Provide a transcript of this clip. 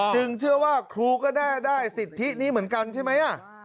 เชื่อว่าครูก็น่าได้สิทธินี้เหมือนกันใช่ไหม